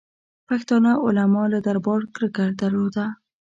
پښتانه علما له دربارو کرکه درلوده.